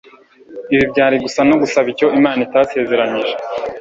Ibi byari gusa no gusaba icyo Imana itasezeranye